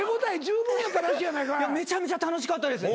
めちゃめちゃ楽しかったです。